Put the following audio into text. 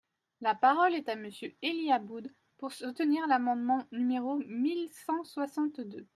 La parole est à Monsieur Élie Aboud, pour soutenir l’amendement numéro mille cent soixante-deux.